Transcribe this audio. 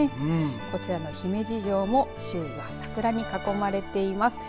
こちらの姫路城も周囲は桜に囲まれています。